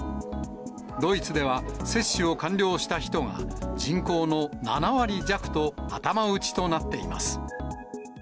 ドイツでは接種を完了した人が人口の７割弱と頭打ちとなっています。